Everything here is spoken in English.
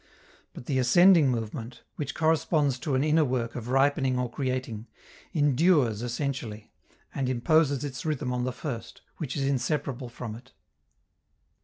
But the ascending movement, which corresponds to an inner work of ripening or creating, endures essentially, and imposes its rhythm on the first, which is inseparable from it.